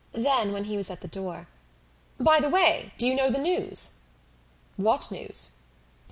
Then, when he was at the door, "By the way, do you know the news?" "What news?"